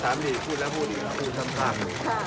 ต้องก่อนที่เปิดการภูตจากให้ถูกภาพเรียบร้อยนะ